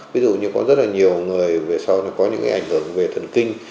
ví dụ như có rất nhiều người về sau có những ảnh hưởng về thần kinh